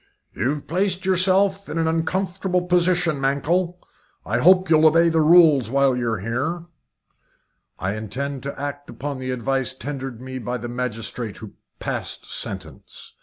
"You've placed yourself in an uncomfortable position, Mankell. I hope you'll obey the rules while you're here." "I intend to act upon the advice tendered me by the magistrate who passed sentence."